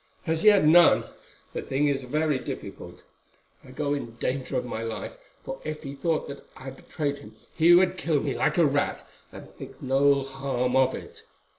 "As yet, none. The thing is very difficult. I go in danger of my life, for if he thought that I betrayed him he would kill me like a rat, and think no harm of it.